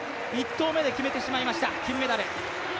１投目で決めてしまいました、金メダル。